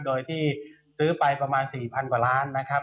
โดยที่ซื้อไปประมาณ๔๐๐กว่าล้านนะครับ